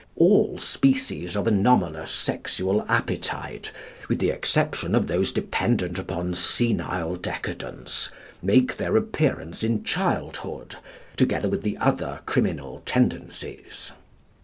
"All species of anomalous sexual appetite, with the exception of those dependent upon senile decadence, make their appearance in childhood, together with the other criminal tendencies" (p.